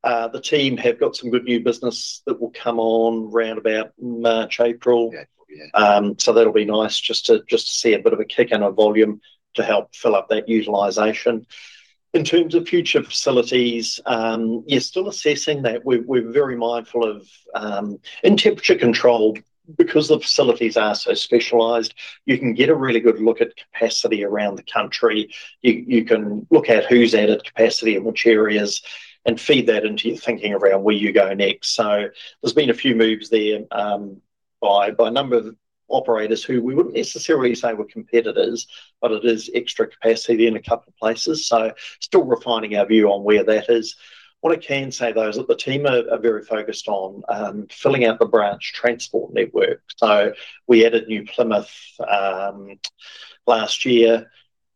The team have got some good new business that will come on around about March, April. April, Yeah. So that'll be nice just to see a bit of a kick in our volume to help fill up that utilization. In terms of future facilities, yeah, still assessing that. We're very mindful of. In temperature control, because the facilities are so specialized, you can get a really good look at capacity around the country. You can look at who's added capacity in which areas, and feed that into your thinking around where you go next. So there's been a few moves there, by a number of operators who we wouldn't necessarily say were competitors, but it is extra capacity in a couple of places, so still refining our view on where that is. What I can say, though, is that the team are very focused on filling out the branch transport network. So we added New Plymouth last year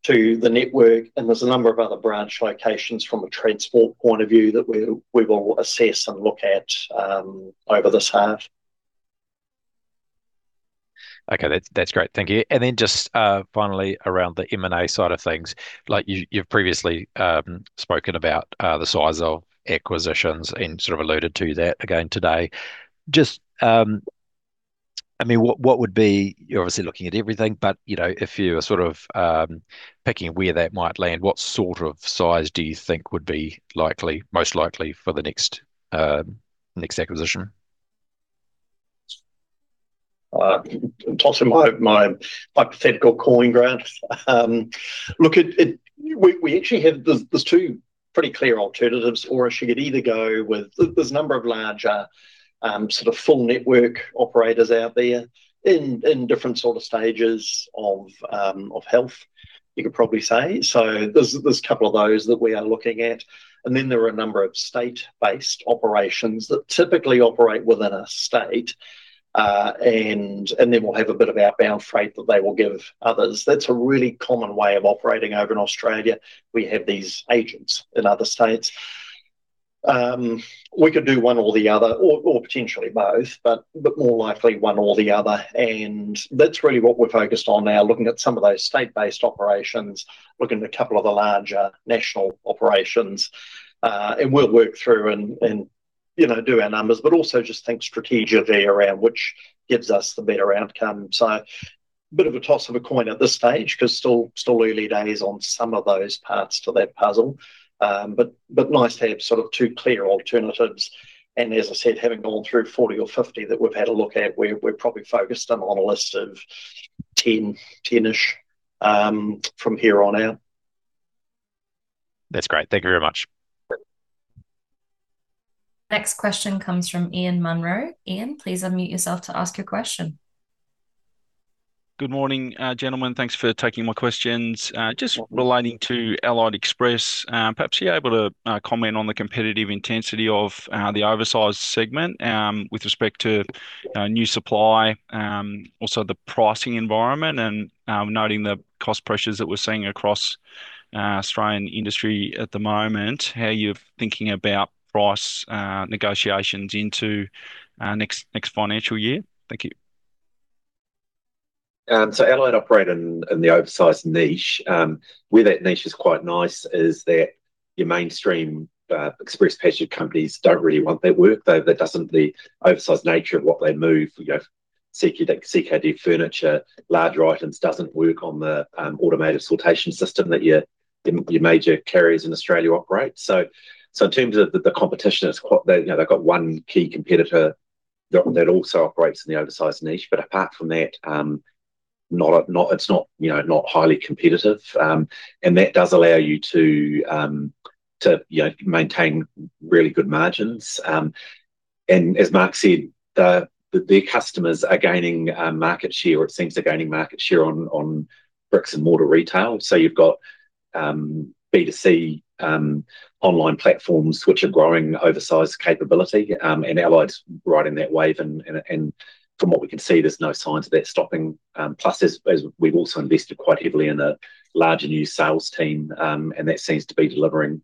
to the network, and there's a number of other branch locations from a transport point of view that we will assess and look at over this half. Okay, that's great. Thank you. And then just finally around the M&A side of things, like you've previously spoken about the size of acquisitions and sort of alluded to that again today. Just, I mean, what would be... You're obviously looking at everything, but, you know, if you are sort of picking where that might land, what sort of size do you think would be likely, most likely for the next acquisition? Toss of my hypothetical coin, Grant. Look, we actually have, there's two pretty clear alternatives. Or we should either go with. There's a number of larger sort of full network operators out there in different sort of stages of health, you could probably say. So there's a couple of those that we are looking at, and then there are a number of state-based operations that typically operate within a state. Then we'll have a bit of outbound freight that they will give others. That's a really common way of operating over in Australia. We have these agents in other states. We could do one or the other, or potentially both, but more likely one or the other, and that's really what we're focused on now, looking at some of those state-based operations, looking at a couple of the larger national operations. And we'll work through and, you know, do our numbers, but also just think strategically around which gives us the better outcome. So, a bit of a toss of a coin at this stage, 'cause still early days on some of those parts to that puzzle. But nice to have sort of two clear alternatives, and as I said, having gone through 40 or 50 that we've had a look at, we're probably focused in on a list of 10, 10-ish, from here on out. That's great. Thank you very much. Next question comes from Ian Munro. Ian, please unmute yourself to ask your question. Good morning, gentlemen. Thanks for taking my questions. Just relating to Allied Express, perhaps you're able to comment on the competitive intensity of the oversized segment with respect to new supply, also the pricing environment, and noting the cost pressures that we're seeing across Australian industry at the moment, how you're thinking about price negotiations into next, next financial year. Thank you. So Allied operate in the oversized niche. Where that niche is quite nice is that your mainstream express package companies don't really want that work. Though that doesn't... The oversized nature of what they move, you know, CKD furniture, larger items, doesn't work on the automated sortation system that your major carriers in Australia operate. So in terms of the competition, it's. They, you know, they've got one key competitor that also operates in the oversized niche, but apart from that, it's not, you know, not highly competitive. And that does allow you to, you know, maintain really good margins. And as Mark said, their customers are gaining market share, or it seems they're gaining market share on bricks-and-mortar retail. So you've got B2C online platforms which are growing oversized capability, and Allied's riding that wave, and from what we can see, there's no signs of that stopping. Plus, as we've also invested quite heavily in a larger new sales team, and that seems to be delivering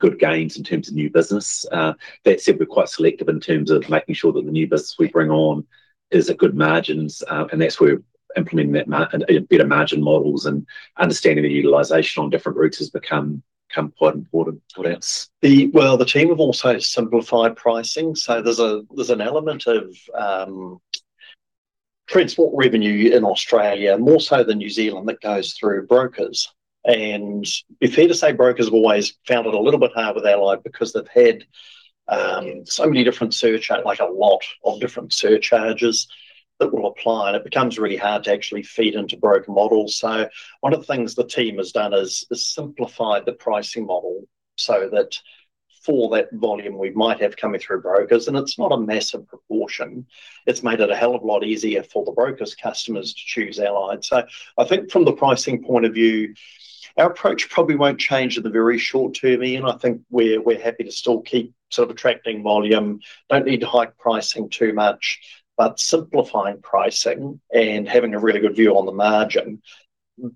good gains in terms of new business. That said, we're quite selective in terms of making sure that the new business we bring on is at good margins, and that's where implementing that better margin models and understanding the utilization on different routes has become quite important. What else? Well, the team have also simplified pricing, so there's a, there's an element of transport revenue in Australia, more so than New Zealand, that goes through brokers. And to be fair to say, brokers have always found it a little bit hard with Allied, because they've had so many different surcharges—like a lot of different surcharges that will apply, and it becomes really hard to actually feed into broker models. So one of the things the team has done is simplified the pricing model so that for that volume we might have coming through brokers, and it's not a massive proportion. It's made it a hell of a lot easier for the brokers' customers to choose Allied. So I think from the pricing point of view, our approach probably won't change in the very short term, Ian. I think we're, we're happy to still keep sort of attracting volume, don't need to hike pricing too much, but simplifying pricing and having a really good view on the margin.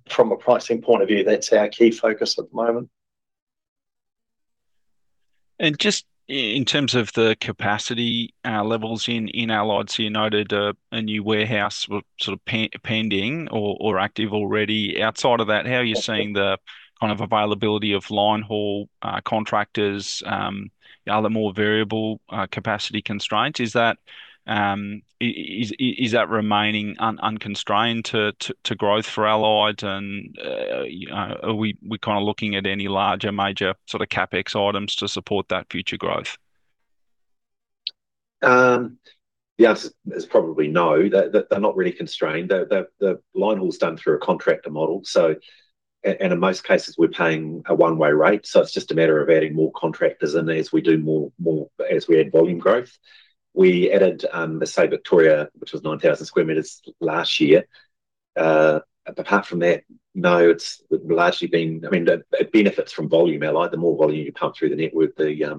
From a pricing point of view, that's our key focus at the moment. And just in terms of the capacity levels in Allied, so you noted a new warehouse were sort of pending or active already. Outside of that, how are you seeing the kind of availability of line haul contractors, the other more variable capacity constraints? Is that remaining unconstrained to growth for Allied, and you know, are we kind of looking at any larger, major sort of CapEx items to support that future growth? The answer is probably no. They're not really constrained. The line haul's done through a contractor model, so and in most cases, we're paying a one-way rate, so it's just a matter of adding more contractors in as we do more, as we add volume growth. We added, let's say Victoria, which was 9,000 sq m last year. Apart from that, no, it's largely been... I mean, it benefits from volume, Allied. The more volume you pump through the network, the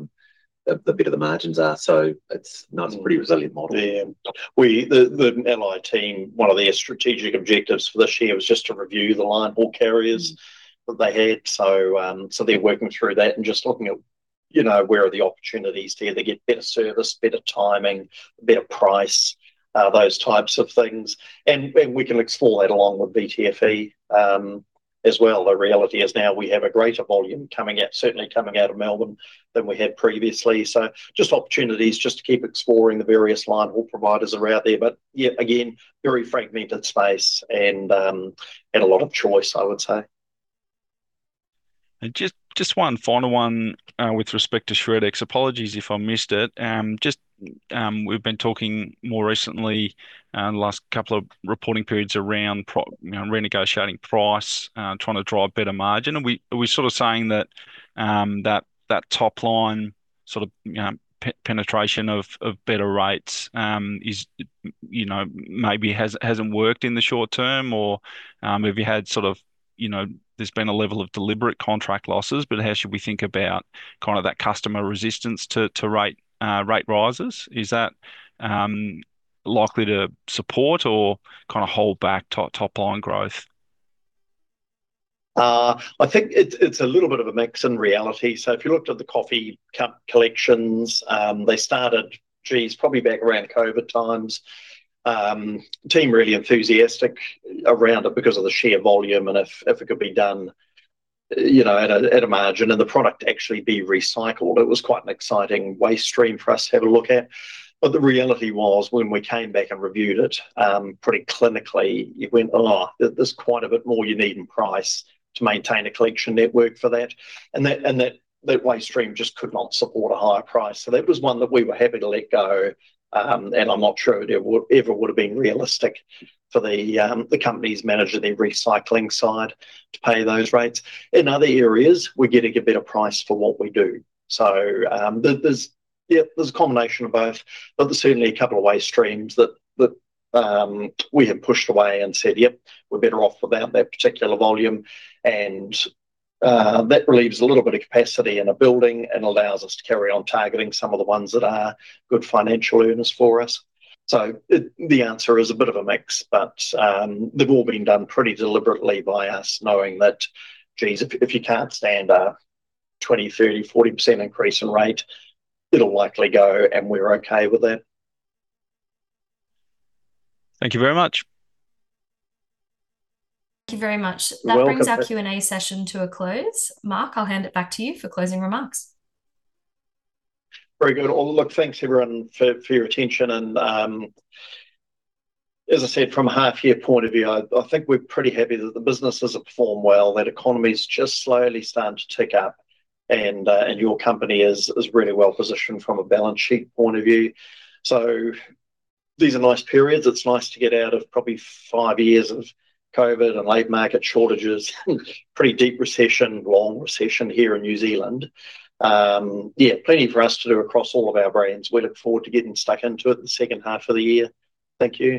better the margins are. So it's, no, it's a pretty resilient model. Yeah. We, the Allied team, one of their strategic objectives for this year was just to review the line haul carriers that they had. So, so they're working through that and just looking at, you know, where are the opportunities to either get better service, better timing, better price, those types of things, and we can explore that along with VTFE, as well. The reality is now we have a greater volume coming out, certainly coming out of Melbourne than we had previously. So just opportunities just to keep exploring the various line haul providers are out there. But yet again, very fragmented space and a lot of choice, I would say. And just one final one with respect to Shred-X. Apologies if I missed it. Just we've been talking more recently in the last couple of reporting periods around you know, renegotiating price, trying to drive better margin, and are we sort of saying that that top line, sort of, you know, penetration of better rates is, you know, maybe hasn't worked in the short term, or have you had sort of, you know, there's been a level of deliberate contract losses, but how should we think about kind of that customer resistance to to rate rate rises? Is that likely to support or kind of hold back top top line growth? I think it's a little bit of a mix in reality. So if you looked at the coffee cup collections, they started, geez, probably back around COVID times. Team really enthusiastic around it because of the sheer volume, and if it could be done, you know, at a margin, and the product actually be recycled. It was quite an exciting waste stream for us to have a look at. But the reality was, when we came back and reviewed it, pretty clinically, it went, "Oh, there's quite a bit more you need in price to maintain a collection network for that." And that waste stream just could not support a higher price, so that was one that we were happy to let go. And I'm not sure it would ever would've been realistic for the company's manager, the recycling side, to pay those rates. In other areas, we're getting a better price for what we do. So, there, there's, yeah, there's a combination of both, but there's certainly a couple of waste streams that, that, we have pushed away and said, "Yep, we're better off without that particular volume." And that relieves a little bit of capacity in a building and allows us to carry on targeting some of the ones that are good financial earners for us. So the, the answer is a bit of a mix, but, they've all been done pretty deliberately by us, knowing that, geez, if, if you can't stand a 20, 30, 40% increase in rate, it'll likely go, and we're okay with that. Thank you very much. Thank you very much. You're welcome. That brings our Q&A session to a close. Mark, I'll hand it back to you for closing remarks. Very good. Well, look, thanks, everyone, for your attention, and, as I said, from a half-year point of view, I think we're pretty happy that the businesses have performed well, that economy's just slowly starting to tick up, and, and your company is really well-positioned from a balance sheet point of view. So these are nice periods. It's nice to get out of probably five years of Covid and labor market shortages, pretty deep recession, long recession here in New Zealand. Yeah, plenty for us to do across all of our brands. We look forward to getting stuck into it the second half of the year. Thank you.